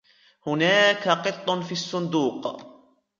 هناك قط في الصندوق.